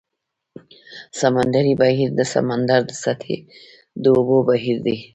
سمندري بهیر د سمندر د سطحې د اوبو بهیر دی.